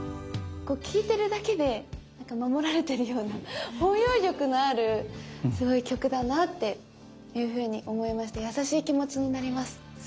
こう聞いてるだけでなんか守られてるような包容力のあるすごい曲だなっていうふうに思いまして優しい気持ちになります。